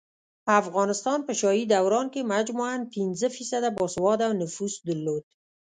افغانستان په شاهي دوران کې مجموعاً پنځه فیصده باسواده نفوس درلود